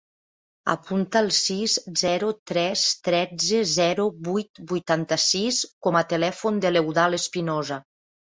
Apunta el sis, zero, tres, tretze, zero, vuit, vuitanta-sis com a telèfon de l'Eudald Espinosa.